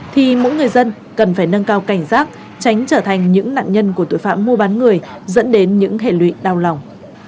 thì mỗi người dân cần phải nâng cao cảnh giác tránh trở thành những nạn nhân của tội phạm mua bán người dẫn đến những hệ lụy đau lòng